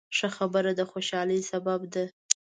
ښه خبره د خوشحالۍ سبب ده.